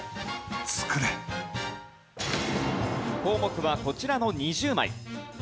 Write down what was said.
項目はこちらの２０枚。